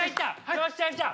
よっしゃよっしゃ。